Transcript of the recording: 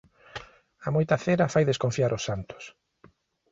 A moita cera fai desconfiar os santos.